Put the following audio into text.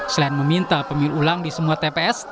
selain meminta pemilu ulang di semua tps